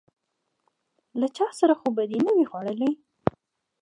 _له چا سره خو به دي نه و ي خوړلي؟